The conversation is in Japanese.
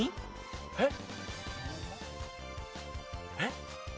えっ？えっ？